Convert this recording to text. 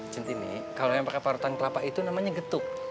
jet ini kalau yang pakai parutan kelapa itu namanya getuk